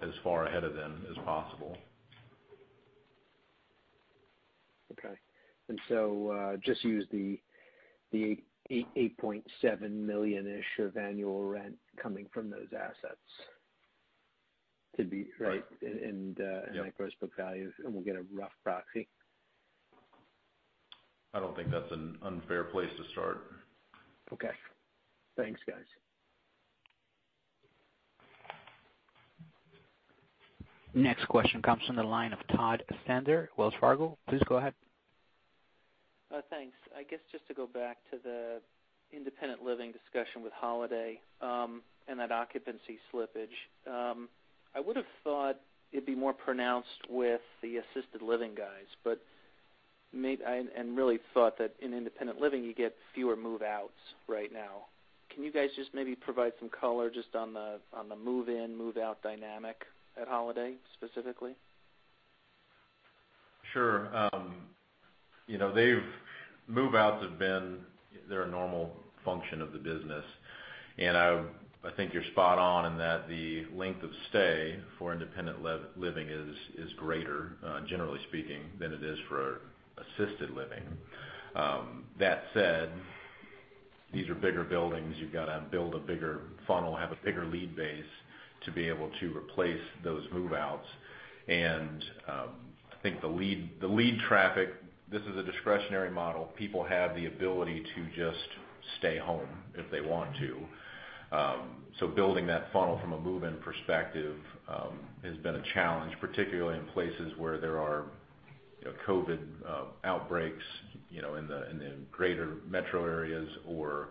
as far ahead of them as possible. Okay. Just use the $8.7 million-ish of annual rent coming from those assets to be- Right. In gross book values, and we'll get a rough proxy? I don't think that's an unfair place to start. Okay. Thanks, guys. Next question comes from the line of Todd Stender, Wells Fargo. Please go ahead. Thanks. I guess, just to go back to the independent living discussion with Holiday, and that occupancy slippage. I would have thought it'd be more pronounced with the assisted living guys. I really thought that in independent living, you get fewer move-outs right now. Can you guys just maybe provide some color just on the move-in, move-out dynamic at Holiday, specifically? Sure. Move outs have been their normal function of the business. I think you're spot on in that the length of stay for independent living is greater, generally speaking, than it is for assisted living. That said, these are bigger buildings. You've got to build a bigger funnel, have a bigger lead base to be able to replace those move-outs. I think the lead traffic, this is a discretionary model. People have the ability to just stay home if they want to. Building that funnel from a move-in perspective has been a challenge, particularly in places where there are COVID outbreaks in the greater metro areas or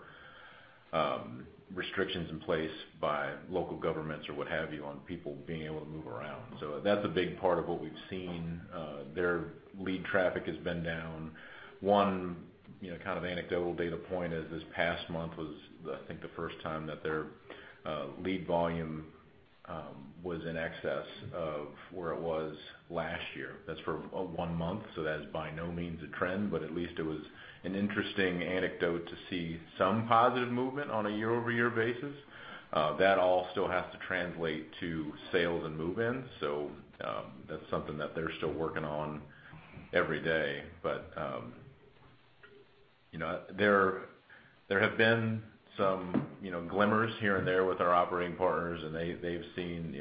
restrictions in place by local governments, or what have you, on people being able to move around. That's a big part of what we've seen. Their lead traffic has been down. One kind of anecdotal data point is this past month was, I think, the first time that their lead volume was in excess of where it was last year. That's for one month, so that is by no means a trend, but at least it was an interesting anecdote to see some positive movement on a year-over-year basis. That all still has to translate to sales and move-ins. That's something that they're still working on every day. There have been some glimmers here and there with our operating partners, and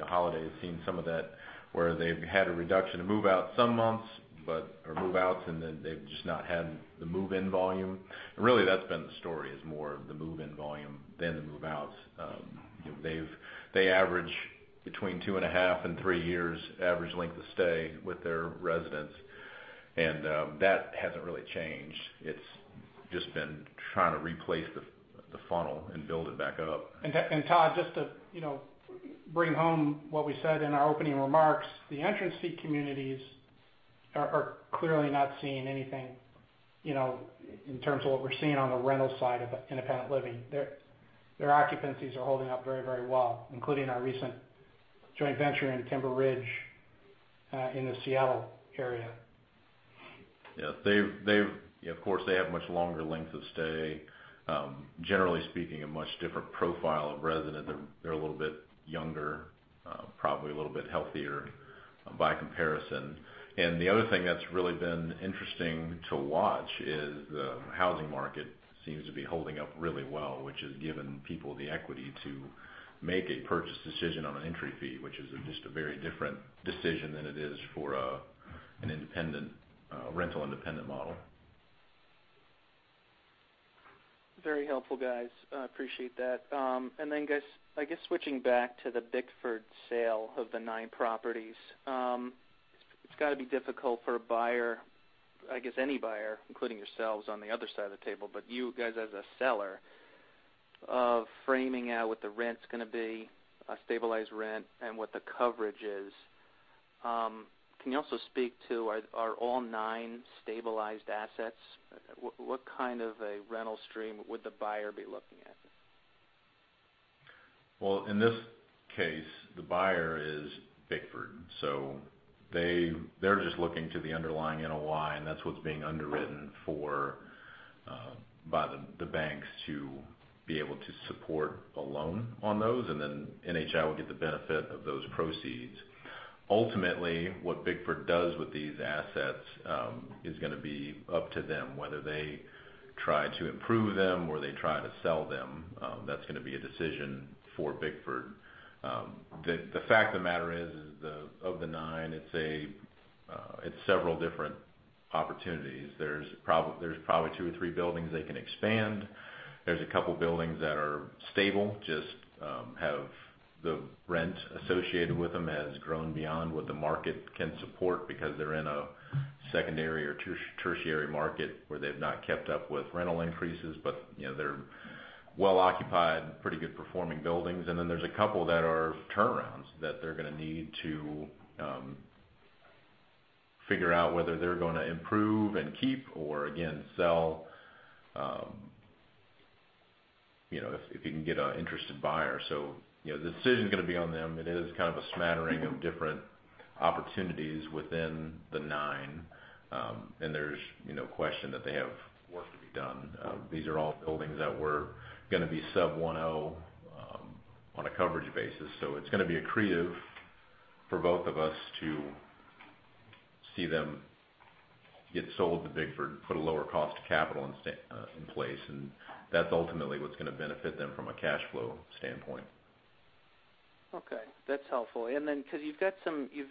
Holiday's seen some of that, where they've had a reduction of move out some months, or move outs, and then they've just not had the move-in volume. Really that's been the story, is more of the move-in volume than the move-outs. They average between two and a half and three years average length of stay with their residents, and that hasn't really changed. It's just been trying to replace the funnel and build it back up. Todd, just to bring home what we said in our opening remarks, the entrance fee communities are clearly not seeing anything, in terms of what we're seeing on the rental side of independent living. Their occupancies are holding up very well, including our recent joint venture in Timber Ridge in the Seattle area. Yeah. Of course, they have much longer length of stay. Generally speaking, a much different profile of resident. They're a little bit younger, probably a little bit healthier by comparison. The other thing that's really been interesting to watch is the housing market seems to be holding up really well, which has given people the equity to make a purchase decision on an entry fee, which is just a very different decision than it is for a rental independent model. Very helpful, guys. I appreciate that. Guys, I guess switching back to the Bickford sale of the nine properties. It's got to be difficult for a buyer, I guess any buyer, including yourselves on the other side of the table, but you guys as a seller, of framing out what the rent's going to be, a stabilized rent, and what the coverage is. Can you also speak to, are all nine stabilized assets? What kind of a rental stream would the buyer be looking at? Well, in this case, the buyer is Bickford, so they're just looking to the underlying NOI, and that's what's being underwritten by the banks to be able to support a loan on those, and then NHI will get the benefit of those proceeds. Ultimately, what Bickford does with these assets, is going to be up to them, whether they try to improve them or they try to sell them. That's going to be a decision for Bickford. The fact of the matter is, of the nine, it's several different opportunities. There's probably two or three buildings they can expand. There's a couple buildings that are stable, just have the rent associated with them has grown beyond what the market can support because they're in a secondary or tertiary market where they've not kept up with rental increases. They're well occupied, pretty good performing buildings. Then there's a couple that are turnarounds that they're going to need to figure out whether they're going to improve and keep or again, sell, if you can get an interested buyer. The decision is going to be on them. It is kind of a smattering of different opportunities within the nine. There's no question that they have work to be done. These are all buildings that were going to be sub 1.0 on a coverage basis. It's going to be accretive for both of us to see them get sold to Bickford for a lower cost of capital in place. That's ultimately what's going to benefit them from a cash flow standpoint. Okay. That's helpful. Because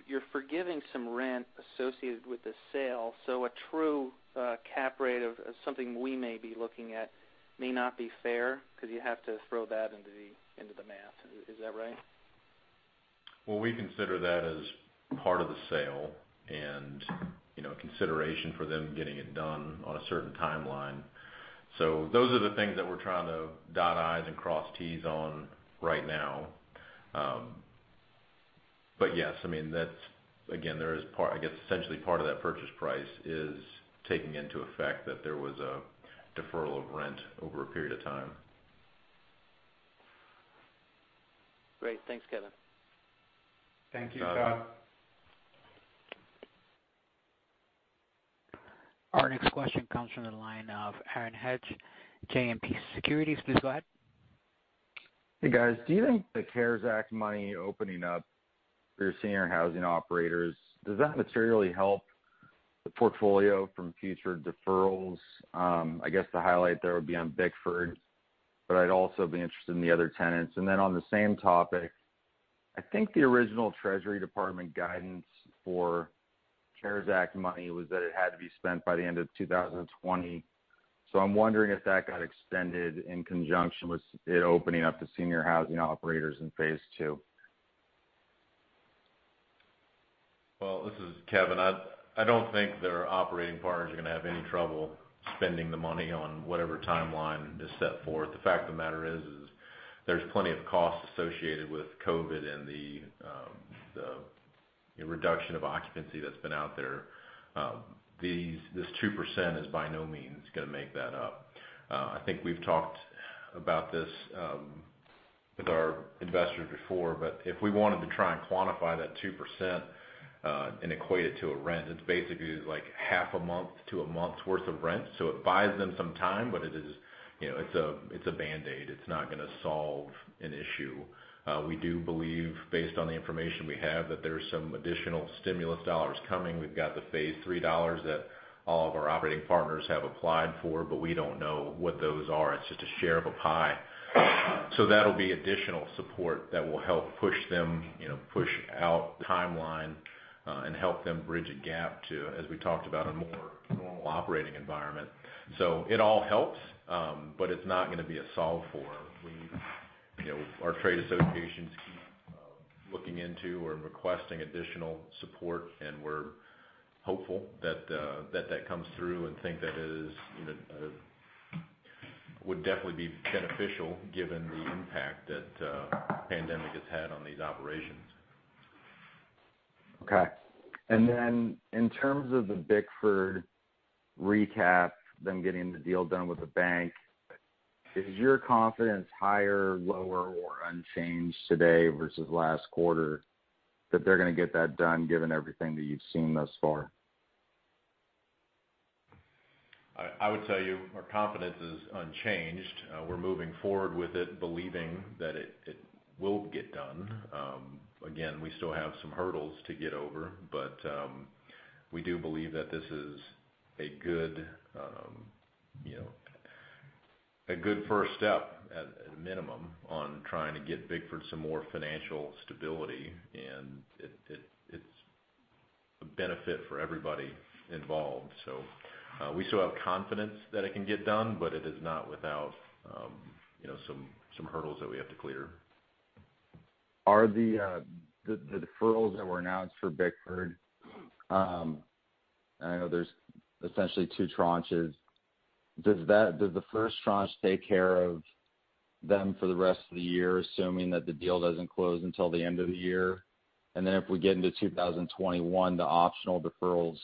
you're forgiving some rent associated with the sale, so a true cap rate of something we may be looking at may not be fair because you have to throw that into the math. Is that right? Well, we consider that as part of the sale and consideration for them getting it done on a certain timeline. Those are the things that we're trying to dot I's and cross T's on right now. Yes, I mean, I guess essentially part of that purchase price is taking into effect that there was a deferral of rent over a period of time. Great. Thanks, Kevin. Thank you, Todd. Our next question comes from the line of Aaron Hecht, JMP Securities. Please go ahead. Hey, guys. Do you think the CARES Act money opening up for your senior housing operators, does that materially help the portfolio from future deferrals? I guess the highlight there would be on Bickford, but I'd also be interested in the other tenants. On the same topic, I think the original Treasury Department guidance for CARES Act money was that it had to be spent by the end of 2020. I'm wondering if that got extended in conjunction with it opening up to senior housing operators in Phase 2. Well, this is Kevin. I don't think their operating partners are going to have any trouble spending the money on whatever timeline is set forth. The fact of the matter is, there's plenty of costs associated with COVID and the reduction of occupancy that's been out there. This 2% is by no means going to make that up. I think we've talked about this with our investors before, but if we wanted to try and quantify that 2% and equate it to a rent, it's basically like half a month to a month's worth of rent. It buys them some time, but it's a band-aid. It's not going to solve an issue. We do believe based on the information we have, that there's some additional stimulus dollars coming. We've got the Phase 3 dollars that all of our operating partners have applied for. We don't know what those are. It's just a share of a pie. That'll be additional support that will help push out timeline and help them bridge a gap to, as we talked about, a more normal operating environment. It all helps. It's not going to be a solve for. Our trade associations keep looking into or requesting additional support. We're hopeful that that comes through and think that it would definitely be beneficial given the impact that the pandemic has had on these operations. Okay. In terms of the Bickford recap, them getting the deal done with the bank, is your confidence higher, lower, or unchanged today versus last quarter, that they're going to get that done given everything that you've seen thus far? I would tell you our confidence is unchanged. We're moving forward with it, believing that it will get done. Again, we still have some hurdles to get over, but we do believe that this is a good first step at a minimum on trying to get Bickford some more financial stability, and it's a benefit for everybody involved. We still have confidence that it can get done, but it is not without some hurdles that we have to clear. Are the deferrals that were announced for Bickford, I know there's essentially two tranches. Does the first tranche take care of them for the rest of the year, assuming that the deal doesn't close until the end of the year? If we get into 2021, the optional deferrals,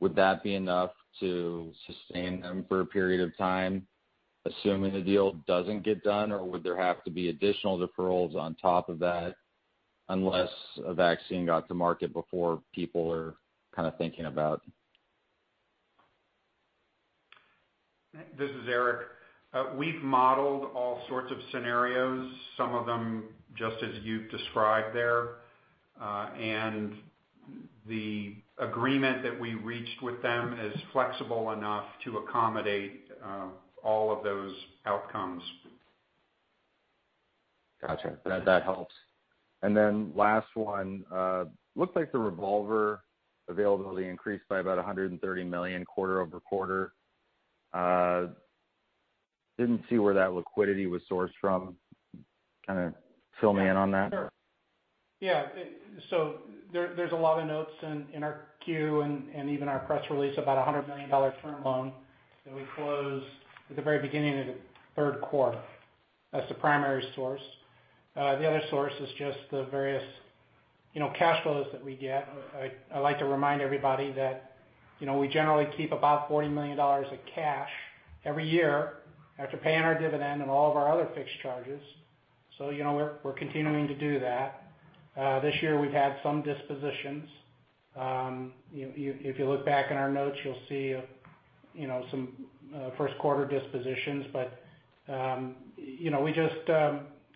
would that be enough to sustain them for a period of time, assuming the deal doesn't get done, or would there have to be additional deferrals on top of that unless a vaccine got to market before people are kind of thinking about? This is Eric. We've modeled all sorts of scenarios, some of them just as you've described there. The agreement that we reached with them is flexible enough to accommodate all of those outcomes. Got you. That helps. Then last one. Looks like the revolver availability increased by about $130 million quarter-over-quarter. Didn't see where that liquidity was sourced from. Kind of fill me in on that. There's a lot of notes in our Q and even our press release about a $100 million term loan that we closed at the very beginning of the third quarter. That's the primary source. The other source is just the various cash flows that we get. I like to remind everybody that we generally keep about $40 million of cash every year after paying our dividend and all of our other fixed charges. We're continuing to do that. This year, we've had some dispositions. If you look back in our notes, you'll see some first quarter dispositions. We just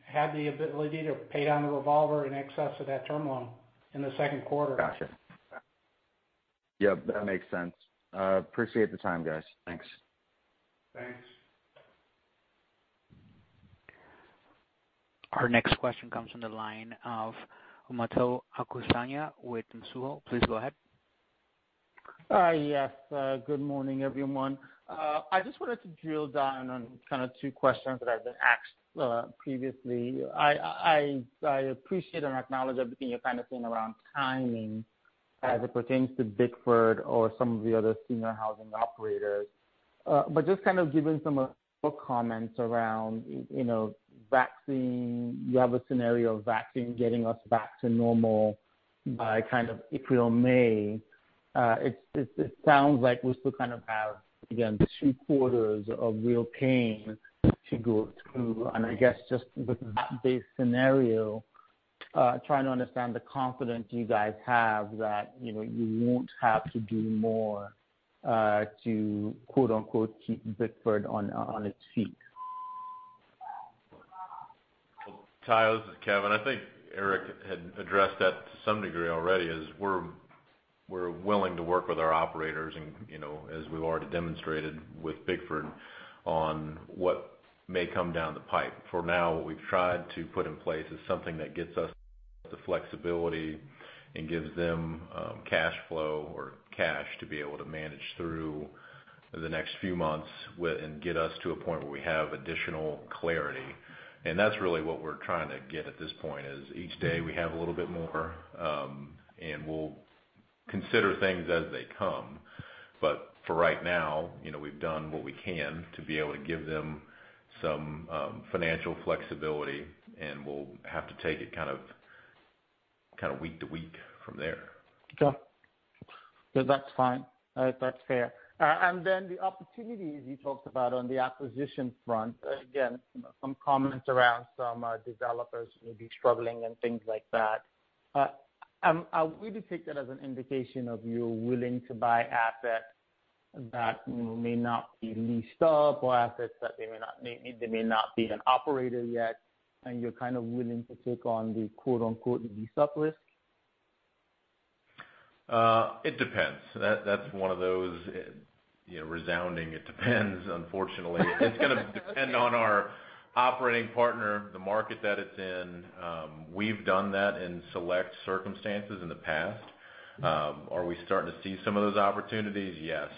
had the ability to pay down the revolver in excess of that term loan in the second quarter. Got you. Yep, that makes sense. Appreciate the time, guys. Thanks. Thanks. Our next question comes from the line of Omotayo Okusanya with Mizuho. Please go ahead. Yes. Good morning, everyone. I just wanted to drill down on kind of two questions that have been asked previously. I appreciate and acknowledge everything you're kind of saying around timing as it pertains to Bickford or some of the other senior housing operators. Just kind of giving some comments around vaccine. You have a scenario of vaccine getting us back to normal by kind of April, May. It sounds like we still kind of have, again, three quarters of real pain to go through. I guess just with that base scenario, trying to understand the confidence you guys have that you won't have to do more to quote, unquote, "keep Bickford on its feet." Omotayo, this is Kevin. I think Eric had addressed that to some degree already, is we're willing to work with our operators and as we've already demonstrated with Bickford on what may come down the pipe. For now, what we've tried to put in place is something that gets us the flexibility and gives them cash flow or cash to be able to manage through the next few months and get us to a point where we have additional clarity. That's really what we're trying to get at this point, is each day we have a little bit more, and we'll consider things as they come. For right now, we've done what we can to be able to give them some financial flexibility, and we'll have to take it kind of week to week from there. Sure. That's fine. That's fair. The opportunities you talked about on the acquisition front, again, some comments around some developers may be struggling and things like that. Would you take that as an indication of you're willing to buy assets that may not be leased up or assets that they may not be an operator yet, and you're kind of willing to take on the quote, unquote, "lease up risk"? It depends. That's one of those resounding it depends, unfortunately. It's going to depend on our operating partner, the market that it's in. We've done that in select circumstances in the past. Are we starting to see some of those opportunities? Yes.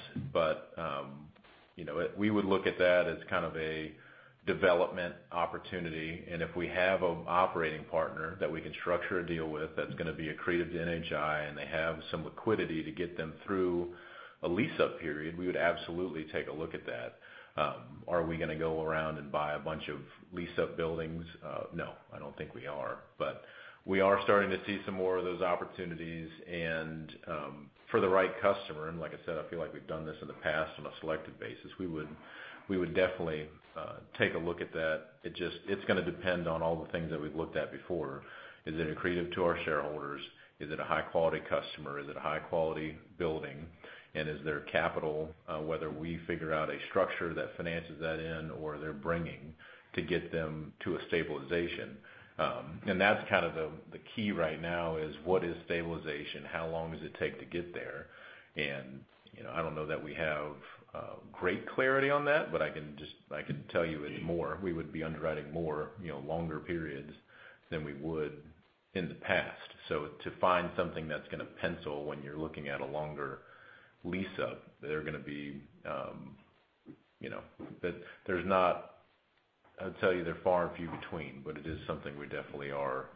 We would look at that as kind of a development opportunity, and if we have an operating partner that we can structure a deal with that's going to be accretive to NHI, and they have some liquidity to get them through a lease-up period, we would absolutely take a look at that. Are we going to go around and buy a bunch of leased-up buildings? No, I don't think we are. We are starting to see some more of those opportunities and for the right customer, and like I said, I feel like we've done this in the past on a selective basis. We would definitely take a look at that. It's going to depend on all the things that we've looked at before. Is it accretive to our shareholders? Is it a high-quality customer? Is it a high-quality building? Is there capital, whether we figure out a structure that finances that in or they're bringing to get them to a stabilization? That's kind of the key right now is what is stabilization? How long does it take to get there? I don't know that we have great clarity on that, but I can tell you it more. We would be underwriting more longer periods than we would in the past. To find something that's going to pencil when you're looking at a longer lease-up, I would tell you they're far and few between, but it is something we definitely are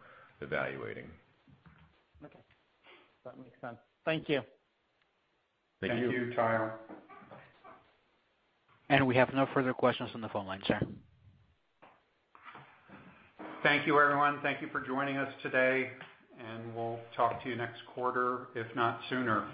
evaluating. Okay. That makes sense. Thank you. Thank you. Thank you, Omotayo. We have no further questions on the phone lines, sir. Thank you, everyone. Thank you for joining us today. We'll talk to you next quarter, if not sooner.